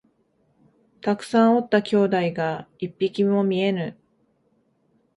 たくさんおった兄弟が一匹も見えぬ